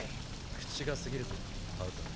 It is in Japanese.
口が過ぎるぞハウザー。